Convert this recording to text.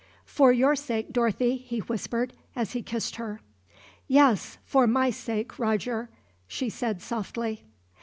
"For your sake, Dorothy," he whispered, as he kissed her. "Yes, for my sake, Roger," she said softly.